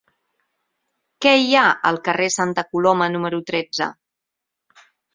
Què hi ha al carrer de Santa Coloma número tretze?